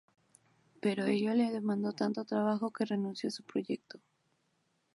Pero ello le demandó tanto trabajo, que renunció a su proyecto.